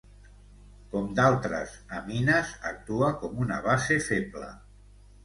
Com d'altres amines actua com una base feble.